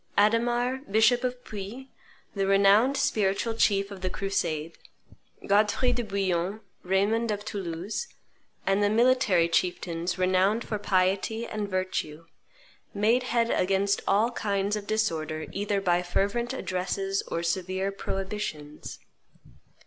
Adhdmar, bishop of Puy, the renowned spiritual chief of the crusade, Godfrey de Bouillon, Raymond of Toulouse, and the military chieftains renowned for piety and virtue made head against all kinds of disorder either by fervent addresses or severe prohibitions.